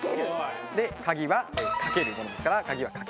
で鍵は掛けるものですから鍵は×。